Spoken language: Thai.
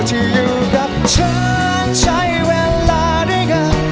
ที่อยู่กับฉันใช้เวลาด้วยกัน